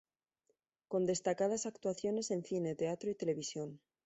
Con destacadas actuaciones en Cine, Teatro y Televisión.